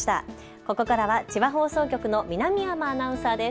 ここからは千葉放送局の南山アナウンサーです。